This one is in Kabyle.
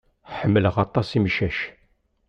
Ḥemmleɣ aṭas imcac.